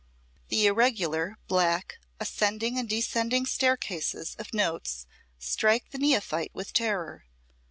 The irregular, black, ascending and descending staircases of notes strike the neophyte with terror.